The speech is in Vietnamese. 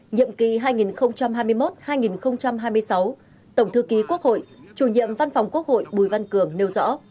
nhiệm kỳ hai nghìn hai mươi một hai nghìn hai mươi sáu tổng thư ký quốc hội chủ nhiệm văn phòng quốc hội bùi văn cường nêu rõ